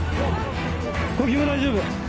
呼吸も大丈夫。